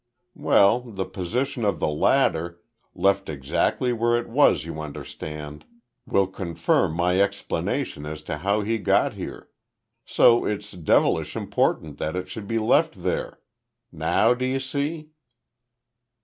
Well, the position of the ladder left exactly where it was, you understand will confirm my explanation as to how he got here. So it's devilish important that it should be left there. Now, do you see?"